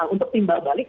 untuk timbal balik